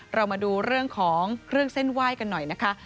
เรามาดูเรื่องของเครื่องเส้นไหว้กันหน่อยนะคะ